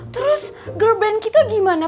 terus girl band kita gimana